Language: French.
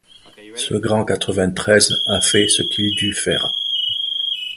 Ce grand Quatrevingt-treize a fait ce qu'il dut faire ;